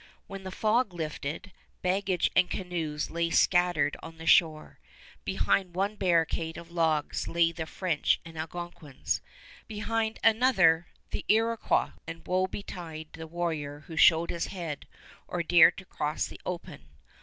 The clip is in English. When the fog lifted, baggage and canoes lay scattered on the shore. Behind one barricade of logs lay the French and Algonquins; behind another, the Iroquois; and woe betide the warrior who showed his head or dared to cross the open.